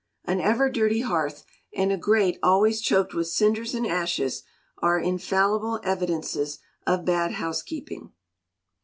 An Ever dirty Hearth, and a grate always choked with cinders and ashes, are infallible evidences of bad housekeeping.